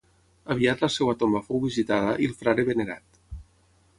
Aviat la seva tomba fou visitada i el frare venerat.